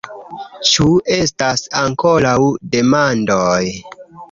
Ĉu estas ankoraŭ demandoj?